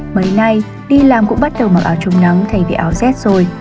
mấy nay đi làm cũng bắt đầu mặc áo trùng nắng thay vì áo z rồi